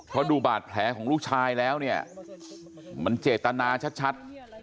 เพราะดูบาดแผลของลูกชายแล้วเนี่ยมันเจตนาชัด